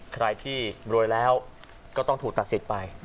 ใครที่รวยแล้วก็ต้องถูกตัดสิทธิ์ไป